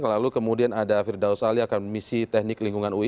lalu kemudian ada firdaus ali akademisi teknik lingkungan ui